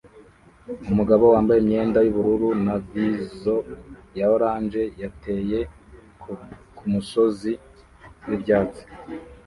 Umugabo wambaye imyenda yubururu na visor ya orange yateye kumusozi wibyatsi